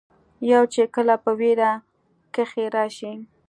يو چې کله پۀ وېره کښې راشي